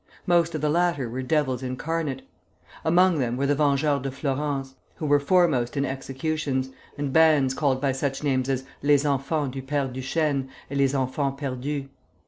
Most of the latter were devils incarnate. Among them were the Vengeurs de Flourens, who were foremost in executions, and bands called by such names as Les Enfants du Père Duchêne and Les Enfants Perdus.